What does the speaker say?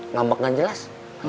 ngambek gak jelas